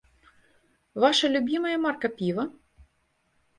Ваша любімае марка піва?